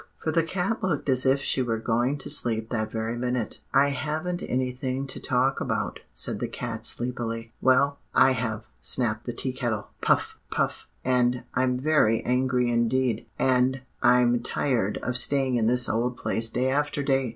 for the cat looked as if she were going to sleep that very minute. "'I haven't anything to talk about,' said the cat sleepily. "'Well, I have,' snapped the Tea Kettle 'puff puff, and I'm very angry indeed. And I'm tired of staying in this old place day after day.